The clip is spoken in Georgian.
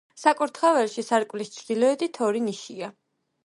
საკურთხეველში სარკმლის ჩრდილოეთით ორი ნიშია.